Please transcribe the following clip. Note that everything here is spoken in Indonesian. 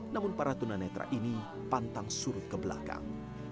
namun para tuan anadra ini pantang surut ke belakang